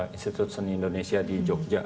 institut seni indonesia di jogja